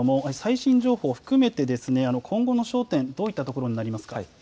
最新情報を含めて今後の焦点、どういったところになりますか。